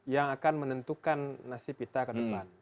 yang akan menentukan nasib kita ke depan